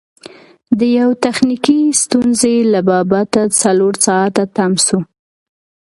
د یوې تخنیکي ستونزې له با بته څلور ساعته تم سو.